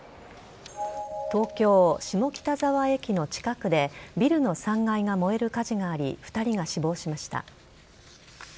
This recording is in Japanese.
東京・下北沢駅の近くで、ビルの３階が燃える火事があり、２人が死亡しました。